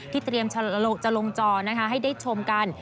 เตรียมจะลงจอนะคะให้ได้ชมกัน